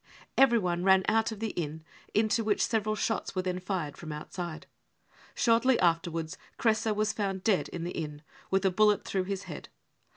Everyone ran out of the inn, into which' several shots were then fired from outside. Shortly afterwards Kresse was found dead in the inn, with a bullet through his head.